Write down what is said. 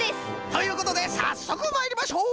ということでさっそくまいりましょう！